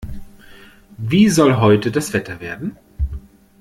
Wie soll heute das Wetter werden?